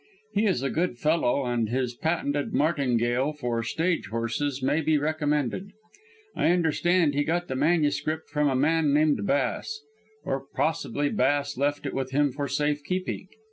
He is a good fellow, and his patented martingale for stage horses may be recommended. I understand he got the manuscript from a man named Bass, or possibly Bass left it with him for safe keeping.